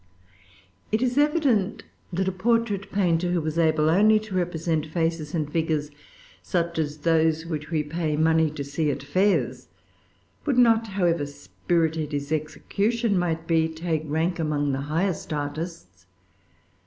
It is evident that a portrait painter, who was able only to represent faces and figures such as those which we pay money to see at fairs, would not, however spirited his execution might be, take rank among the highest artists.